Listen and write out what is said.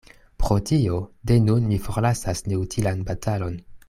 Pro tio, de nun mi forlasas neutilan batalon.